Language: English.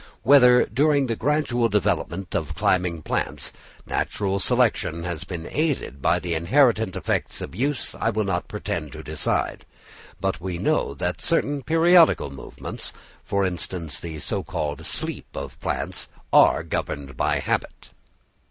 Whether, during the gradual development of climbing plants, natural selection has been aided by the inherited effects of use, I will not pretend to decide; but we know that certain periodical movements, for instance the so called sleep of plants, are governed by habit.